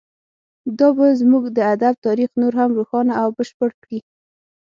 دا به زموږ د ادب تاریخ نور هم روښانه او بشپړ کړي